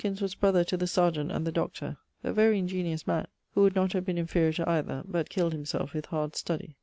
Charles Hoskyns was brother to the Serjeant and the Doctor; a very ingeniose man, who would not have been inferior to either but killed himself with hard study.